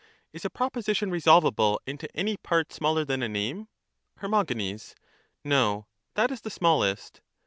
Is a proposition resolvable into any part smaller than a name? Her. No ; that is the smallest.